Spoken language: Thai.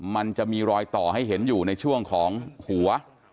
มันจะมีรอยต่อให้เห็นอยู่ในช่วงของหัว